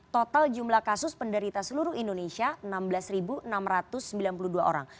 total jumlah kasus penderita seluruh indonesia enam belas enam ratus sembilan puluh dua orang